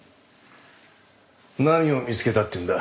何を見つけたっていうんだ。